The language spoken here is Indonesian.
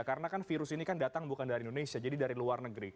karena kan virus ini kan datang bukan dari indonesia jadi dari luar negeri